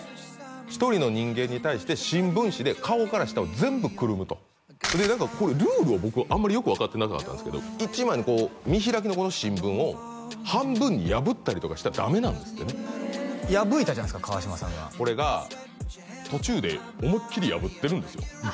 １人の人間に対して新聞紙で顔から下を全部くるむとで何かルールを僕あんまりよく分かってなかったんですけど１枚のこう見開きの新聞を半分に破ったりとかしたらダメなんですってね破いたじゃないですか川島さんがこれが途中で思いっきり破ってるんですよ